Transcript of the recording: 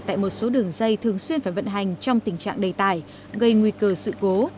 tại một số đường dây thường xuyên phải vận hành trong tình trạng đầy tải gây nguy cơ sự cố